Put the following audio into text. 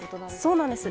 そうなんです。